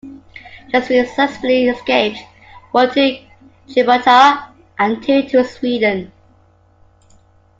Just three successfully escaped, one to Gibraltar and two to Sweden.